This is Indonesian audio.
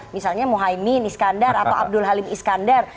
misalnya mohaimin iskandar atau abdul halim iskandar